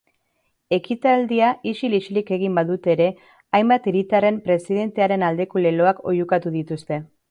Ekitaldia isil-isilik egin badute ere, hainbat hiritarren presidentearen aldeko leloak oihukatu dituzte.